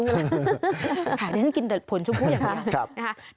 อันนี้ฉันกินแต่ผลชมพู่อย่างนั้น